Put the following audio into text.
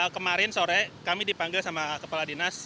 kemarin sore kami dipanggil sama kepala dinas